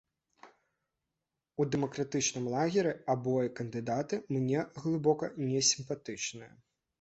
У дэмакратычным лагеры абое кандыдаты мне глыбока несімпатычныя.